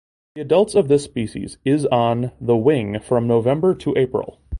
The adults of this species is on the wing from November to April.